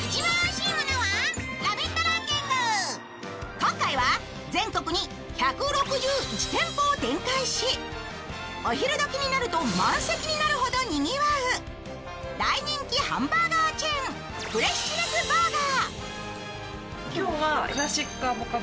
今回は全国に１６１店舗を展開し、お昼時になると満席になるほどにぎわう大人気ハンバーガーチェーン、フレッシュネスバーガー。